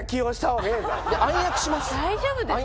・大丈夫ですか？